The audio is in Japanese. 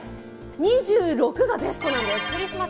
２６日がベストなんです。